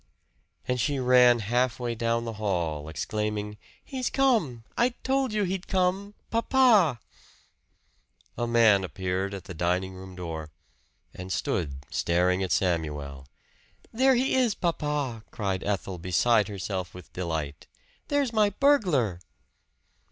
And she ran halfway down the hall, exclaiming: "He's come! I told you he'd come! Papa!" A man appeared at the dining room door, and stood staring at Samuel. "There he is, papa!" cried Ethel beside herself with delight. "There's my burglar!"